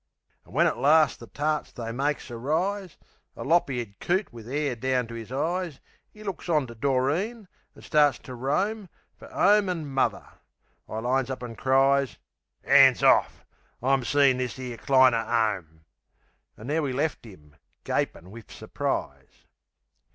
An' when at larst the tarts they makes a rise, A lop eared coot wiv 'air down to 'is eyes 'E 'ooks on to Doreen, an' starts to roam Fer 'ome an' muvver. I lines up an' cries, "'An's orf! I'm seein' this 'ere cliner 'ome!" An' there we left 'im, gapin' wiv surprise.